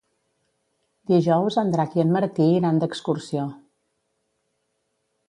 Dijous en Drac i en Martí iran d'excursió.